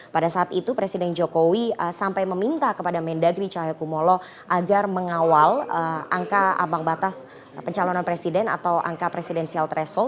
pada saat itu presiden jokowi sampai meminta kepada mendagri cahaya kumolo agar mengawal angka ambang batas pencalonan presiden atau angka presidensial threshold